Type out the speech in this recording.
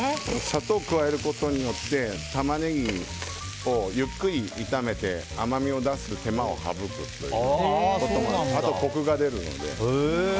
砂糖を加えることによってタマネギをゆっくり炒めて甘みを出す手間を省くということとあと、コクが出るので。